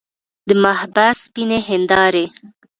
د محبس سپینې هندارې.